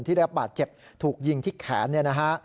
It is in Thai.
ที่ได้รับบาดเจ็บถูกยิงทิ้งแขน